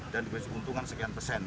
dan dibebaskan keuntungan sekian persen